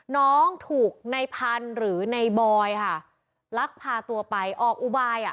น้องถูกในพันธุ์หรือในบอยค่ะลักพาตัวไปออกอุบายอ่ะ